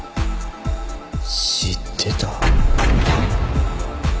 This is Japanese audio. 知ってた？